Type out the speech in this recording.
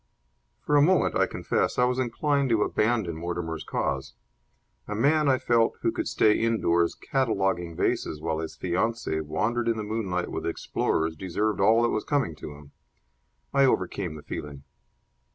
For a moment, I confess, I was inclined to abandon Mortimer's cause. A man, I felt, who could stay indoors cataloguing vases while his fiancee wandered in the moonlight with explorers deserved all that was coming to him. I overcame the feeling.